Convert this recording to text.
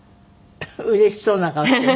うれしそうな顔している。